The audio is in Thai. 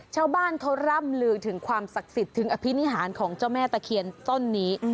ชาวบ้านเขาร่ำลือถึงความศักดิ์สิทธิ์ถึงอภินิหารของเจ้าแม่ตะเคียนต้นนี้